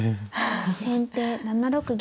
先手７六銀。